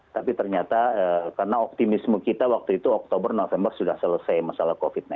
tapi ternyata karena optimisme kita waktu itu oktober november sudah selesai masalah covid sembilan belas